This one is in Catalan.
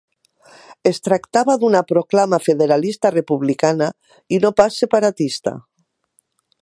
Es tractava d'una proclama federalista republicana, i no pas separatista.